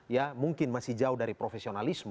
ya mungkin masih jauh dari profesionalisme